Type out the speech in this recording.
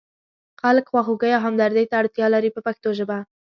خلک خواخوږۍ او همدردۍ ته اړتیا لري په پښتو ژبه.